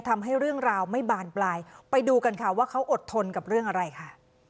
ทำให้เรื่องราวไม่บานปลายไปดูกันค่ะว่าเขาอดทนกับเรื่องอะไรค่ะ